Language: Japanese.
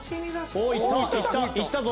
おおいったいったいったぞ。